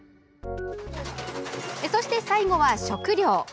そして最後は食料。